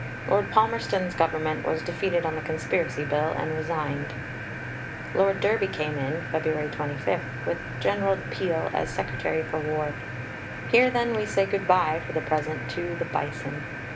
Lord Palmerston's Government was defeated on the Conspiracy Bill, and resigned. Lord Derby came in (Feb. 25), with General Peel as Secretary for War. Here, then, we say good bye, for the present, to "the Bison."